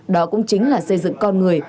đó cũng chính là xây dựng con người